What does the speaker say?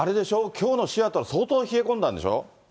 きょうのシアトル、相当冷え込んだんでしょ？